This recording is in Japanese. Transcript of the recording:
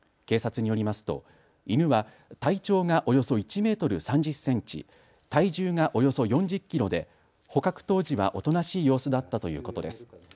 警察によりますと犬は体長がおよそ１メートル３０センチ、体重がおよそ４０キロで捕獲当時はおとなしい様子だったということです。